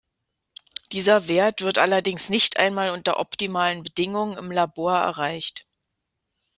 Dieser Wert wird allerdings nicht einmal unter optimalen Bedingungen im Labor erreicht.